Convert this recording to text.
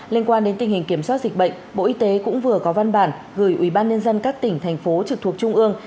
liên quan đến tình hình kiểm soát dịch bệnh bộ y tế cũng vừa có văn bản gửi ubnd các tỉnh thành phố trực thuộc trung ương